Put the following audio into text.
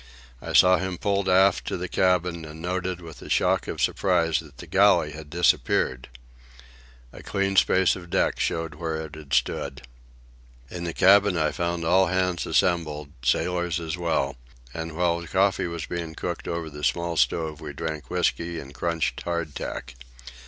I saw him pulled aft to the cabin, and noted with a shock of surprise that the galley had disappeared. A clean space of deck showed where it had stood. In the cabin I found all hands assembled, sailors as well, and while coffee was being cooked over the small stove we drank whisky and crunched hard tack.